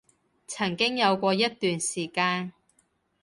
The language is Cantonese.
曾經有過一段時間